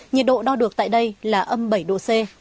nhiệt độ đo được tại đây là âm bảy độ c